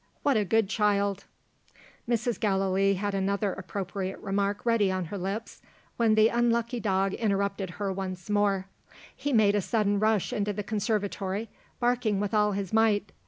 what a good child!" Mrs. Gallilee had another appropriate remark ready on her lips, when the unlucky dog interrupted her once more. He made a sudden rush into the conservatory, barking with all his might.